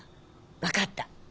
分かった。